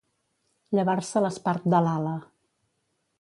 Llevar-se l'espart de l'ala.